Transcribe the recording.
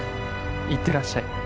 行ってらっしゃい。